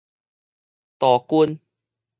道筋